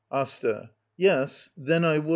Asta. Yes, then I would.